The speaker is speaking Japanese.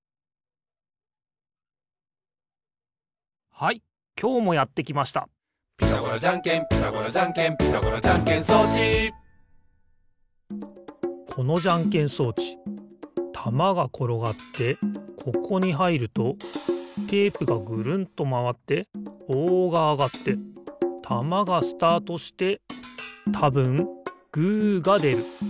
はいきょうもやってきました「ピタゴラじゃんけんピタゴラじゃんけん」「ピタゴラじゃんけん装置」このじゃんけん装置たまがころがってここにはいるとテープがぐるんとまわってぼうがあがってたまがスタートしてたぶんグーがでる。